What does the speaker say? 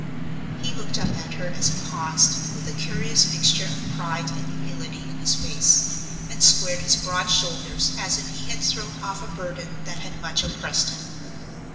He looked up at her as he paused, with a curious mixture of pride and humility in his face, and squared his broad shoulders as if he had thrown off a burden that had much oppressed him.